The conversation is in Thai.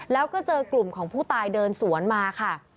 แล้วก็เจอกลุ่มของผู้ตายเดินสวนมาค่ะ